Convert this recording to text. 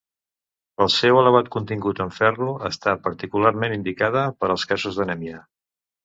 Pel seu elevat contingut en ferro està particularment indicada per als casos d'anèmia.